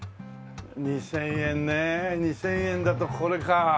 ２０００円ね２０００円だとこれか。